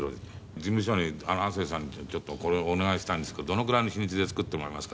事務所に「亜星さんちょっとこれお願いしたいんですけどどのくらいの日にちで作ってもらえますか」